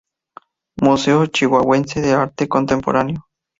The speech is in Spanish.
Museo Chihuahuense de Arte Contemporáneo.